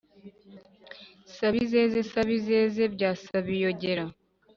sabizeze, sabizeze, sabizeze, bya sabiyogera